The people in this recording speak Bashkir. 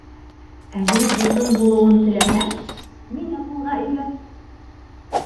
Әгәр дуҫың булыуын теләһән, мине ҡулға өйрәт!